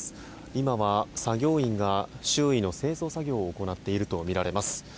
今は作業員が周囲の清掃作業を行っているとみられます。